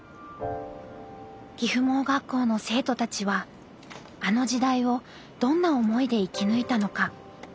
岐阜盲学校の生徒たちはあの時代をどんな思いで生き抜いたのか。